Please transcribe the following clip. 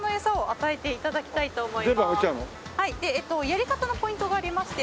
やり方のポイントがありまして。